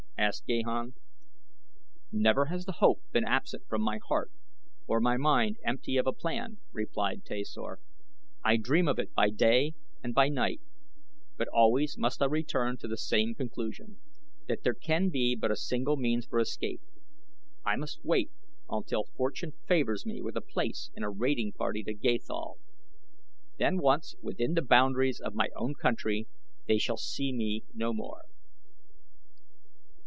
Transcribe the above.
asked Gahan. "Never has the hope been absent from my heart, or my mind empty of a plan," replied Tasor. "I dream of it by day and by night, but always must I return to the same conclusion that there can be but a single means for escape. I must wait until Fortune favors me with a place in a raiding party to Gathol. Then, once within the boundaries of my own country, they shall see me no more."